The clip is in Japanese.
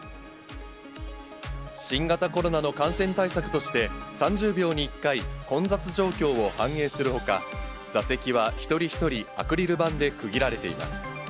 新型コロナの感染対策として、３０秒に１回、混雑状況を反映するほか、座席は一人一人アクリル板で区切られています。